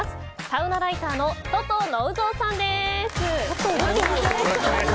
サウナライターのととのう蔵さんです。